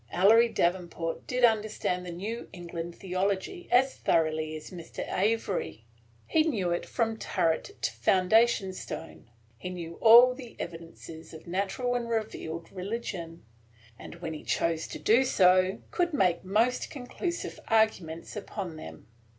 Ellery Davenport did understand the New England theology as thoroughly as Mr. Avery. He knew it from turret to foundation stone. He knew all the evidences of natural and revealed religion, and, when he chose to do so, could make most conclusive arguments upon them.